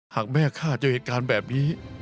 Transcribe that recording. หากแม่ฆ่าเจอเหตุการณ์แบบนี้